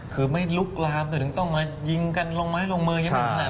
คือไม่ลุกร้ามตัวเนี่ยต้องมายิงกันลงไม้ลงมือยังไม่ขนาดนั้นนะครับ